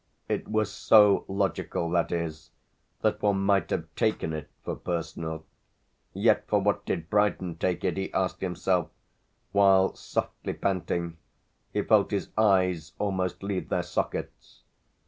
It was so logical, that is, that one might have taken it for personal; yet for what did Brydon take it, he asked himself, while, softly panting, he felt his eyes almost leave their sockets.